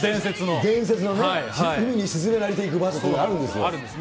伝説のね、海に沈められていくバスとかあるんですよ。